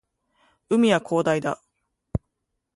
海は広大だ